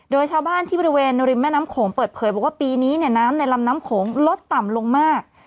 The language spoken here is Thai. โดยชาวบ้านที่บริเวณริมแม่น้ำโขงเปิดเผยบอกว่าปีนี้เนี่ยน้ำในลำน้ำโขงลดต่ำลงมาก